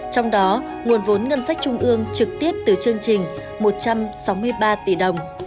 trong đó nguồn vốn ngân sách trung ương trực tiếp từ chương trình một trăm sáu mươi ba tỷ đồng